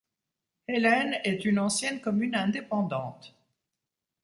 Haelen est une ancienne commune indépendante.